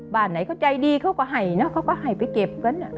บ้านไหนเขาใจดีเขาก็ให้เนอะเขาก็ให้ไปเก็บกัน